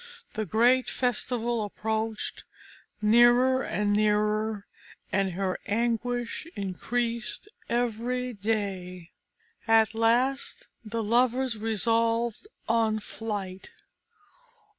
The great festival approached nearer and nearer, and her anguish increased every day. At last the lovers resolved on flight.